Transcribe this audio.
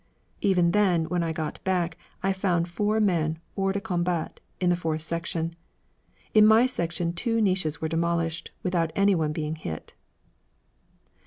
Even then, when I got back I found four men hors de combat in the fourth section. In my section two niches were demolished without any one being hit.